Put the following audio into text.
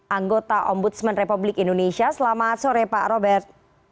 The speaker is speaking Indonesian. anggota ombudsman republik indonesia selamat sore pak robert